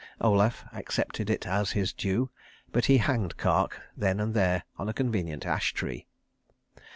Olaf accepted it as his due; but he hanged Kark then and there on a convenient ash tree.